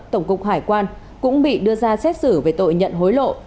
tổng cục hải quan cũng bị đưa ra xét xử về tội nhận hối lộ